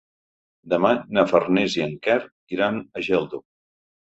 Demà na Farners i en Quer iran a Geldo.